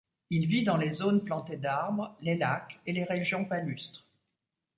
Il vit dans les zones plantées d'arbres, les lacs et les régions palustres.